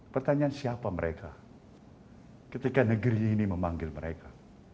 pertanyaan siapa mereka ketika negeri ini memanggil mereka